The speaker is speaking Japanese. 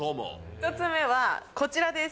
１つ目はこちらです。